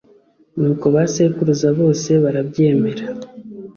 Nuko ba sekuruza bose barabyemera